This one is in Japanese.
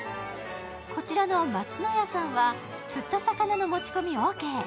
こちらの松の家さんは釣った魚の持ち込みオーケー。